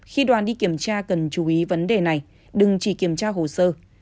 khi đoàn đi kiểm tra cần chú ý vấn đề này đừng chỉ kiểm tra hồ sơ